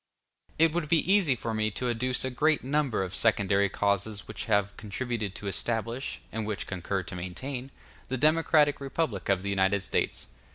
It would be easy for me to adduce a great number of secondary causes which have contributed to establish, and which concur to maintain, the democratic republic of the United States.